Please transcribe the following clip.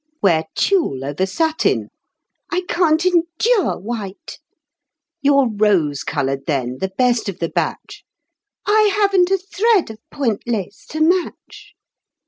"Wear tulle over satin" "I can't endure white." "Your rose colored, then, the best of the batch" "I haven't a thread of point lace to match."